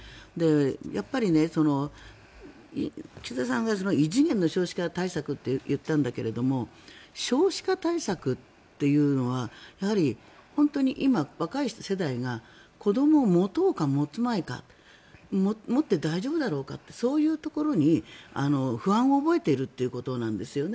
やっぱり岸田さんが異次元の少子化対策って言ったんだけど少子化対策というのはやはり本当に今、若い世代が子どもを持とうか持つまいか持って大丈夫だろうかってそういうところに不安を覚えているということなんですね。